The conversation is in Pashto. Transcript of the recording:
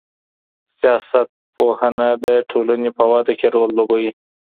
سياست پوهنه د ټولنې په وده کي رول لوبوي.